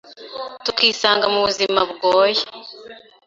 tukisanga mu buzima bugoye